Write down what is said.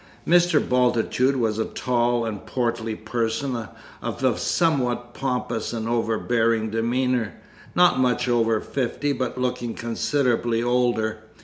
Mr. Bultitude was a tall and portly person, of a somewhat pompous and overbearing demeanour; not much over fifty, but looking considerably older.